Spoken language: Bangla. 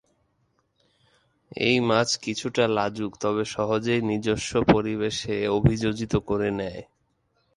এই মাছ কিছুটা লাজুক তবে সহজেই নিজেস্ব পরিবেশে অভিযোজিত করে নেয়।